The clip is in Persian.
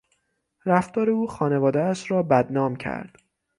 رفتار او خانوادهاش را بدنام کرد.